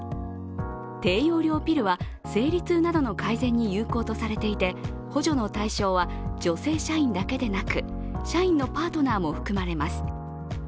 低用量ピルは生理痛などの改善に有効とされていて、補助の対象は女性社員だけでなく社員のパートナーも含まれます。